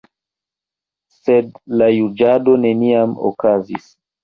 Sed la juĝado neniam okazis.